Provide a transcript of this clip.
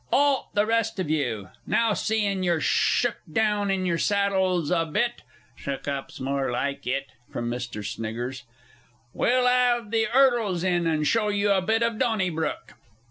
'Alt, the rest of you.... Now, seein' you're shook down in your saddles a bit ["Shook up's more like it!" from Mr. S.] we'll 'ave the 'urdles in and show you a bit o' Donnybrook!